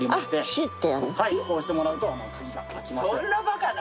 はいこうしてもらうと鍵が開きますので。